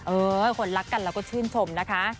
เออคนรักกันเราก็ชื่นชมนะคะ